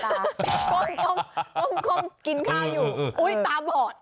กลมกินข้าวอยู่ตาบอด